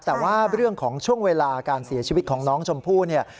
แต่ว่าเรื่องของช่วงเวลาการเสียชีวิตของน้องชมพู่เนี่ย